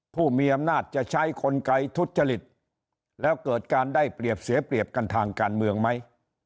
ผู้มีอำนาจจะใช้กลไกทุจริตแล้วเกิดการได้เปรียบเสียเปรียบกันทางการเมืองไหม